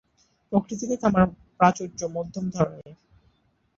প্রকৃতিতে তামার প্রাচুর্য মধ্যম ধরনের।